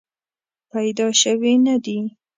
پیدا شوې نه دي.